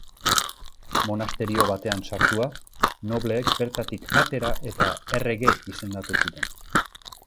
Monasterio batean sartua, nobleek bertatik atera eta errege izendatu zuten.